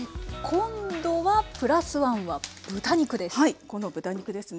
今度はプラスワンは豚肉です。